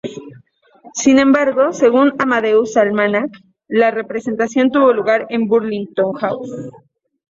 Sin embargo, según Amadeus Almanac, la representación tuvo lugar en Burlington House.